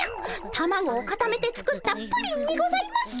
たまごをかためて作った「プリン」にございます。